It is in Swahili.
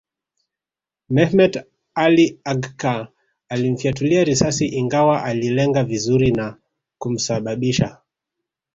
Mehmet Ali Agca alimfyatulia risasi Ingawa alilenga vizuri na kumsababisha